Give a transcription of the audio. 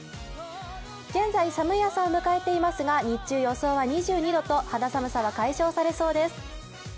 現在、寒い朝を迎えていますが日中２２度と肌寒さは解消されそうです。